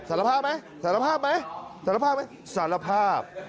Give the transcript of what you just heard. สารภาพไหมสารภาพไหมสารภาพไหมสารภาพ